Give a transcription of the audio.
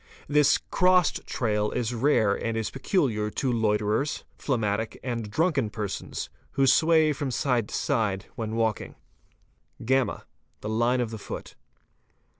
This "crossed" trail is rare — and is peculiar to loiterers, phlegmatic, and drunken persons, who sway from side to side when walking. | (y) The line of the foot.